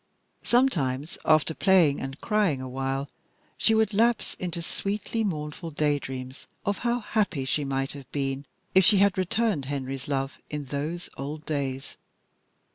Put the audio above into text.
Sometimes, after playing and crying a while, she would lapse into sweetly mournful day dreams of how happy she might have been if she had returned Henry's love in those old days.